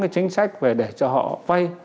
chính sách để cho họ vay